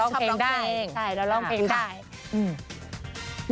สวัสดีค่ะสวัสดีค่ะ